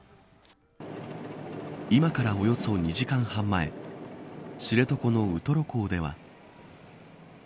今からおよそ２時間半前知床のウトロ港では。